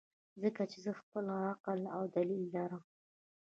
ځکه چې زۀ خپل عقل او دليل لرم -